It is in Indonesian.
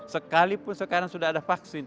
sekalipun sekarang sudah ada vaksin